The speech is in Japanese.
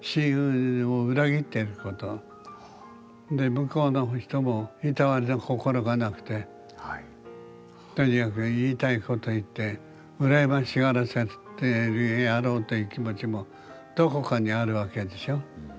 向こうの人もいたわりの心がなくてとにかく言いたいこと言って「羨ましがらせてやろう」という気持ちもどこかにあるわけでしょ。